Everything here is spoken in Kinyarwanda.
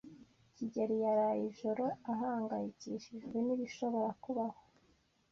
kigeli yaraye ijoro ahangayikishijwe n'ibishobora kubaho.